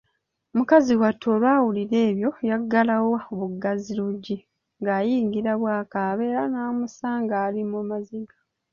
Mukazi wattu olwawulira ebyo yaggalawo buggazi luggi ng'ayingira bw'akaaba era nnamusanga ali mu maziga.